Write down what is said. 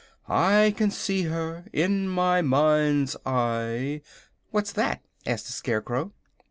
I can see her, in my mind's eye " "What's that?" asked the Scarecrow.